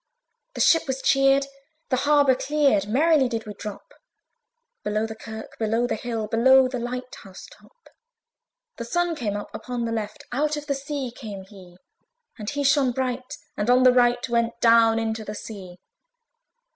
The ship was cheered, the harbour cleared, Merrily did we drop Below the kirk, below the hill, Below the light house top. The Sun came up upon the left, Out of the sea came he! And he shone bright, and on the right Went down into the sea.